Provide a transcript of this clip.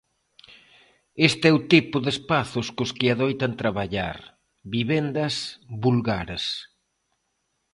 Este é o tipo de espazos cos que adoitan traballar, vivendas vulgares.